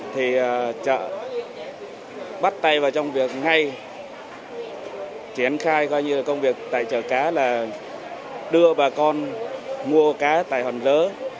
thì chợ bắt tay vào trong việc ngay triển khai công việc tại chợ cá là đưa bà con mua cá tại hòn rớ